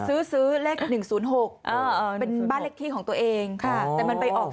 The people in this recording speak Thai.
ซื้อซื้อเลข๑๐๖เป็นบ้านเลขที่ของตัวเองค่ะแต่มันไปออก